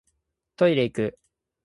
トイレいく